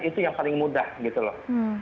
itu yang paling mudah gitu loh